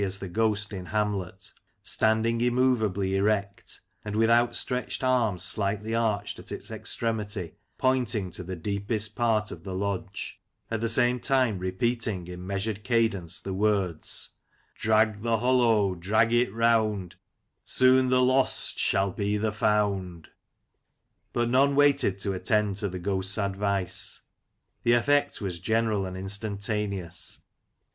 as the Ghost in Hamlet, standing immovably erect, and with outstretched arm slightly arched at its extremity, pointing to the deepest part of the lodge, at the same time repeating in measured cadence the words —" Drag the hollow — drag it round Soon the lost shall be the found 1 " But none waited to attend to the ghost's advice. The effect was general and instantaneous.